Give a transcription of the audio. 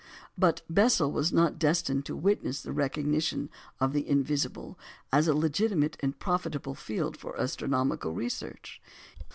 But Bessel was not destined to witness the recognition of "the invisible" as a legitimate and profitable field for astronomical research.